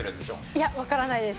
いやわからないです。